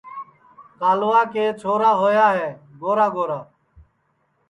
کالوا کے چھورا ہوا ہے گورا گورا